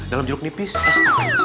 dalam jeruk nipis